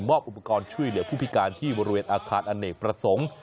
อุปกรณ์ช่วยเหลือผู้พิการที่บริเวณอาคารอเนกประสงค์